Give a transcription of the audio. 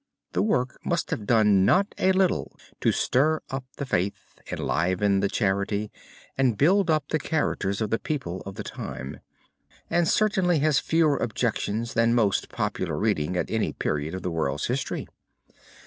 The work must have done not a little to stir up the faith, enliven the charity, and build up the characters of the people of the time, and certainly has fewer objections than most popular reading at any period of the world's history.